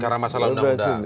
karena masalah undang undang